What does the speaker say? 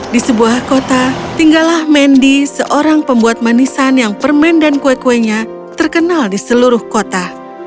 di sebuah kota tinggalah mendy seorang pembuat manisan yang permen dan kue kuenya terkenal di seluruh kota